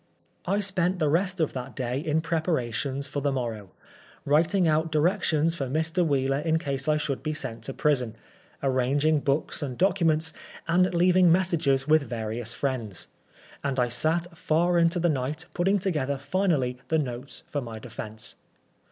I spent the rest of that day in preparations for the morrow — writing out directions for Mr. Wheeler in case I should be sent to prison, arranging books and documents, and leaving messages with various friends ; and I sat far into the night putting together finally the notes for my defence.